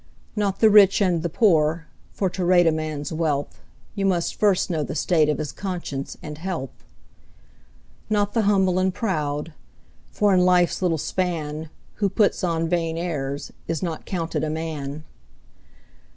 Not the rich and the poor, for to rate a man's wealth, You must first know the state of his conscience and health. Not the humble and proud, for in life's little span, Who puts on vain airs, is not counted a man.